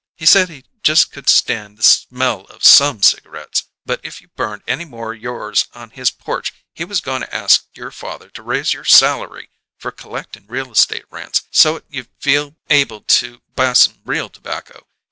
He said he just could stand the smell of some cigarettes, but if you burned any more o' yours on his porch he was goin' to ask your father to raise your salary for collectin' real estate rents, so't you'd feel able to buy some real tobacco.